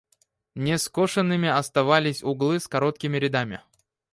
Нескошенными оставались углы с короткими рядами.